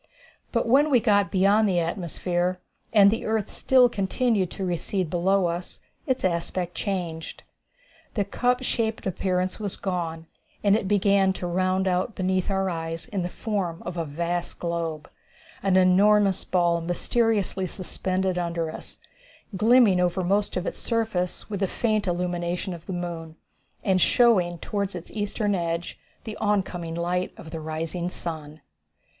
But when we got beyond the atmosphere, and the earth still continued to recede below us, its aspect changed. The cup shaped appearance was gone, and it began to round out beneath our eyes in the form of a vast globe an enormous ball mysteriously suspended under us, glimmering over most of its surface, with the faint illumination of the moon, and showing toward its eastern edge the oncoming light of the rising sun.